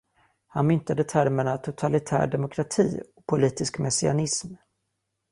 Han myntade termerna ”totalitär demokrati” och ”politisk messianism”.